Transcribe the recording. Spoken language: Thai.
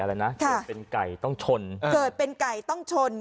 อะไรนะเกิดเป็นไก่ต้องชนเกิดเป็นไก่ต้องชน